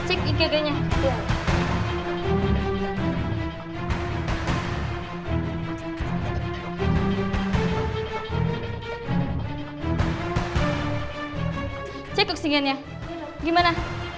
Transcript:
cek koksingannya gimana